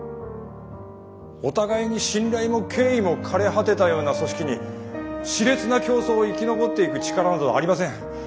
お互いに信頼も敬意も枯れ果てたような組織に熾烈な競争を生き残っていく力などありません。